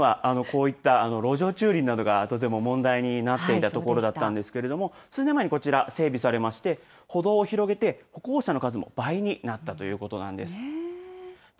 以前はこういった路上駐輪などがとても問題になっていた所だったんですけれども、数年前にこちら、整備されまして、歩道を広げて歩行者の数も倍になったということなんです。